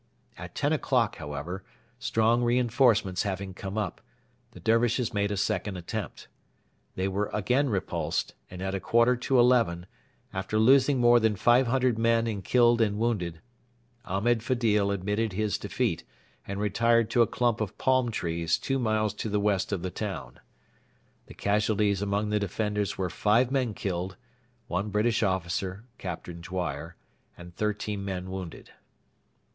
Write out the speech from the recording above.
At ten o'clock, however, strong reinforcements having come up, the Dervishes made a second attempt. They were again repulsed, and at a quarter to eleven, after losing more than 500 men in killed and wounded, Ahmed Fedil admitted his defeat and retired to a clump of palm trees two miles to the west of the town. The casualties among the defenders were five men killed, one British officer (Captain Dwyer) and thirteen men wounded.